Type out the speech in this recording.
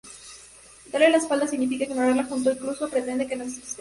Darle la espalda significa ignorarlo, significa incluso pretender que no existe.